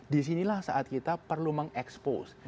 disinilah saat kita perlu mengekspos